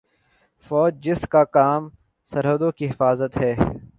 فوج جس کا کام سرحدوں کی حفاظت ہے